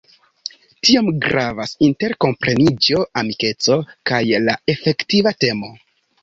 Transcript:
Tiam gravas interkompreniĝo, amikeco kaj la efektiva temo.